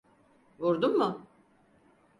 Vurdum mu?